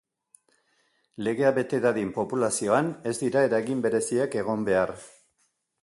Legea bete dadin populazioan ez dira eragin bereziak egon behar.